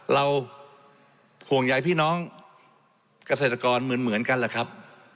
เราห่วงใยพี่น้องเกษตรกรเหมือนกันแหละครับ